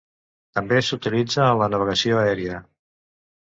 També s'utilitza en la navegació aèria.